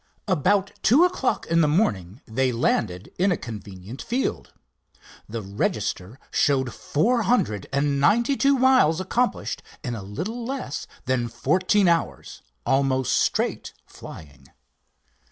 About two o'clock in the morning they landed in a convenient field. The register showed four hundred and ninety two miles accomplished in a little less than fourteen hours, almost straight flying.